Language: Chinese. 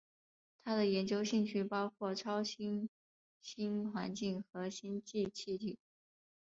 他的研究兴趣包括超新星环境和星际气体。